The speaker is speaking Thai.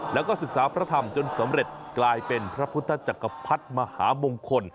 แล้วก็ศึกษาพระธรรมจนสำเร็จกลายเป็นพระพุทธจักรพรรดิมหามงคล